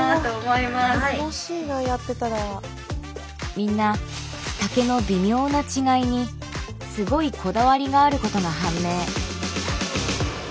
みんな丈の微妙な違いにすごいこだわりがあることが判明。